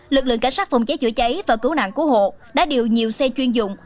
lực lượng cảnh sát phòng cháy chữa cháy và cứu nạn cứu hộ đã điều nhiều xe chuyên dụng